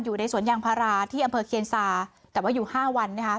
อยู่ในสวนยางพาราที่อำเภอเคียนซาแต่ว่าอยู่ห้าวันนะคะ